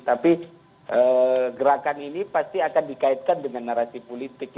tapi gerakan ini pasti akan dikaitkan dengan narasi politik